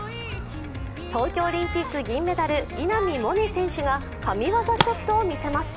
東京オリンピック銀メダル稲見萌寧選手が神業ショットを見せます。